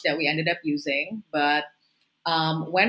hal yang kami gunakan